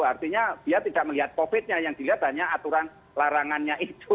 artinya dia tidak melihat covid nya yang dilihat hanya aturan larangannya itu